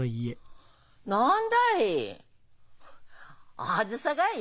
何だい？